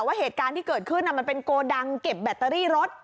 ว่าเหตุการณ์ที่เกิดขึ้นมันเป็นโกดังเก็บแบตเตอรี่รถ